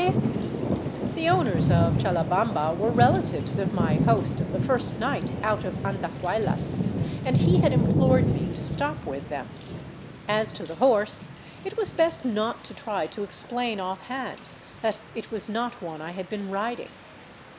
The owners of " Challabamba '* were relatives of my host of the first night out of Andahuaylas, and he had implored me to stop with 418 THE CITY OF THE SUN them. As to the horse, it was best not to try to explain offhand that it was not one I had been riding.